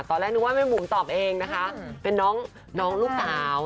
ตอนแรกนึกว่าแม่บุ๋มตอบเองนะคะเป็นน้องลูกสาว